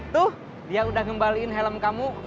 tuh dia udah ngembaliin helm kamu